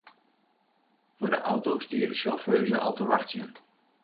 Foar de auto stie de sjauffeuze al te wachtsjen.